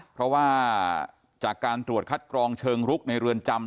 เพราะว่าจากการตรวจคัดกรองเชิงรุกในเรือนจำ